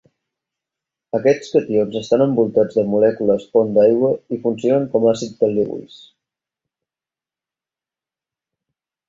Aquests cations estan envoltats de molècules pont d'aigua i funcionen com àcids de Lewis.